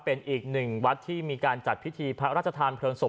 เป็นอีกหนึ่งวัดที่มีการจัดพิธีพระราชทานเพลิงศพ